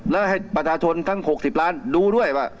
และให้ประชาชนทั้ง๖๐ล้านดูด้วยว่า